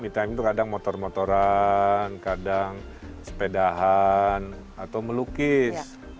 me time itu kadang motor motoran kadang sepedahan atau melukis